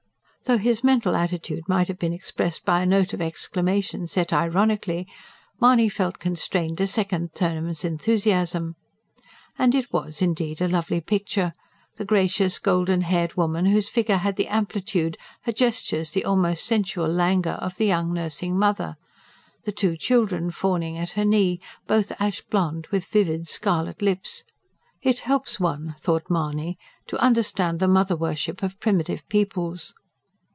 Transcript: Though his mental attitude might have been expressed by a note of exclamation, set ironically, Mahony felt constrained to second Turnham's enthusiasm. And it was indeed a lovely picture: the gracious, golden haired woman, whose figure had the amplitude, her gestures the almost sensual languor of the young nursing mother; the two children fawning at her knee, both ash blond, with vivid scarlet lips. "It helps one," thought Mahony, "to understand the mother worship of primitive peoples."